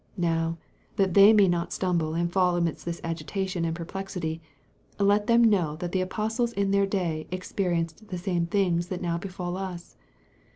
Now, that they may not stumble and fall amidst this agitation and perplexity, let them know that the apostles in their day experienced the same things that now befall us.